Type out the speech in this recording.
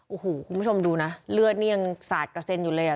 โอ้โหคุณผู้ชมดูนะเลือดนี่ยังสาดกระเซ็นอยู่เลยอ่ะ